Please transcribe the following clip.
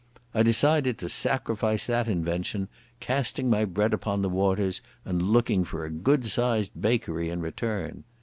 I decided to sacrifice that invention, casting my bread upon the waters and looking for a good sized bakery in return....